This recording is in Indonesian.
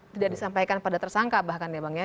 tidak disampaikan pada tersangka bahkan ya bang ya